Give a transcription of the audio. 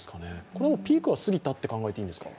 これはピークは過ぎたと考えていいですか？